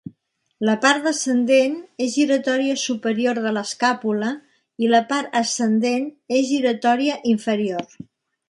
La part descendent és giratòria superior de l'escàpula i la part ascendent és giratòria inferior.